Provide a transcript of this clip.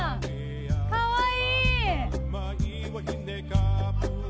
かわいい。